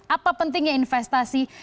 apa pentingnya investasi